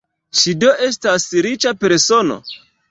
Ŝi do estas riĉa persono?